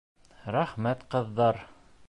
Рәхмәт, ҡыҙҙар!